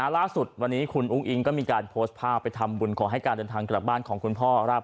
ล่าสุดวันนี้คุณอุ้งอิงก็มีการโพสผ้าไปทำบุญของให้คุณกัดเตินทางกลับบ้านครับ